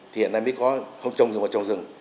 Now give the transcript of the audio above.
thì hiện nay mới có không trồng rừng vào trồng rừng